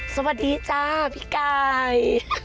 สวัสดีจ้าพี่ไก่